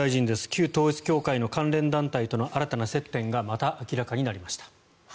旧統一教会の関連団体との新たな接点がまた明らかになりました。